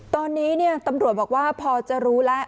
ตอนนี้ตำรวจบอกว่าพอจะรู้แล้ว